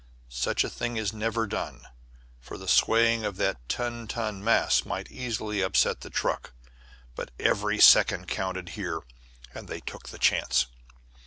Such a thing is never done, for the swaying of that ten ton mass might easily upset the truck; but every second counted here, and they took the chance.